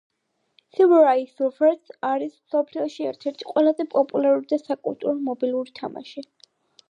Subway Surfers არის მსოფლიოში ერთ-ერთი ყველაზე პოპულარული და საკულტო მობილური თამაში